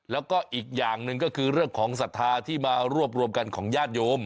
แล้วก็อีกอย่างหนึ่งก็คือเรื่องของศรัทธาที่มารวบรวมกันของญาติโยม